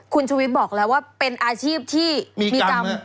คุณชุวิตบอกแล้วว่าเป็นอาชีพที่มีกรรม